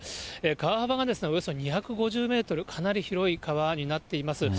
川幅がおよそ２５０メートル、かなり広い川になっています。